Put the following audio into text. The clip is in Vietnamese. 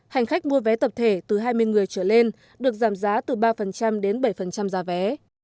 hành khách mua vé tập thể từ hai mươi người trở lên được giảm giá từ ba đến bảy giá vé